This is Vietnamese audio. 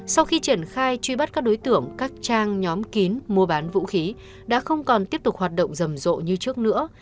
sau khi triển khai truy bắt các đối tượng các trang nhóm kín mua bán vũ khí đã không còn tiếp tục hoạt động rầm rộ như trước nữa